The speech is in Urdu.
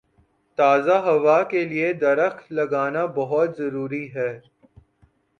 تازہ ہوا کے لیے درخت لگانا بہت ضروری ہے۔